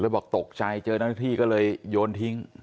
เลยตกใจเจอน้วงที่ที่ก็เลยโยนทิ้ง